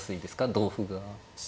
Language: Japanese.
同歩が。